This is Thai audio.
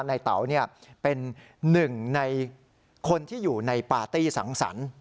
เต๋าเป็นหนึ่งในคนที่อยู่ในปาร์ตี้สังสรรค์